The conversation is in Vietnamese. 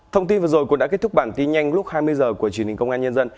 thông tin vừa rồi cũng đã kết thúc bản tin nhanh lúc hai mươi h của truyền hình công an nhân dân